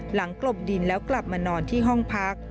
กลบดินแล้วกลับมานอนที่ห้องพัก